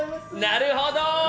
なるほど。